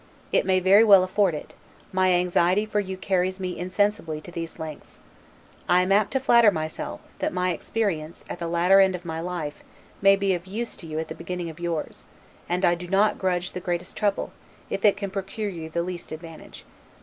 It may very well afford it: my anxiety for you carries me insensibly to these lengths. I am apt to flatter myself, that my experience, at the latter end of my life, may be of use to you at the beginning of yours; and I do not grudge the greatest trouble, if it can procure you the least advantage.